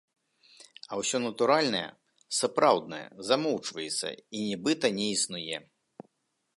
А ўсё натуральнае, сапраўднае замоўчваецца і нібыта не існуе.